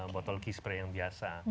botol key spray yang biasa